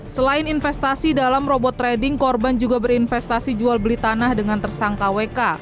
selain investasi dalam robot trading korban juga berinvestasi jual beli tanah dengan tersangka wk